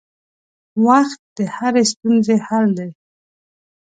وخت د هرې ستونزې حل دی.